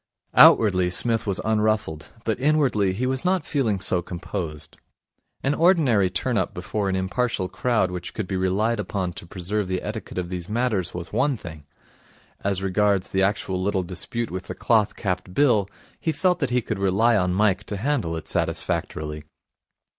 Outwardly Psmith was unruffled, but inwardly he was not feeling so composed. An ordinary turn up before an impartial crowd which could be relied upon to preserve the etiquette of these matters was one thing. As regards the actual little dispute with the cloth capped Bill, he felt that he could rely on Mike to handle it satisfactorily.